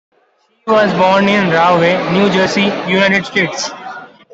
She was born in Rahway, New Jersey, United States.